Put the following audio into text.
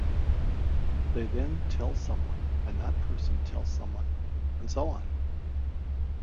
They then tell someone and that person tells someone and so on.